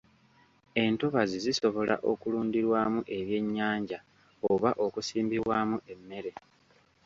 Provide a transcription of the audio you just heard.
Entobazi zisobola okulundirwamu ebyennyanja oba okusimbibwamu emmere.